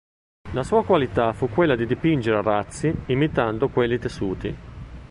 La sua qualità fu quella di dipingere arazzi, imitando quelli tessuti.